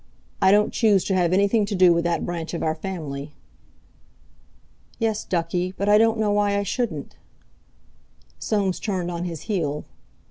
"I don't choose to have anything to do with that branch of our family." "Yes, ducky, but I don't know why I shouldn't." Soames turned on his heel.